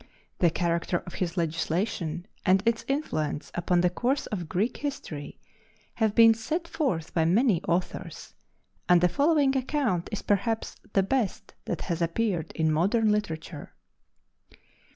The character of his legislation and its influence upon the course of Greek history have been set forth by many authors, and the following account is perhaps the best that has appeared in modern literature.